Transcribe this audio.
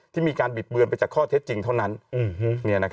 ที่มีการบิดเบือนไปจากข้อเท็จจริงเท่านั้น